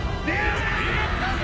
やったぞ！